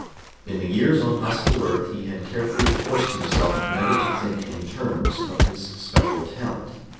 In the years on Hospital Earth, he had carefully forced himself never to think in terms of his special talent.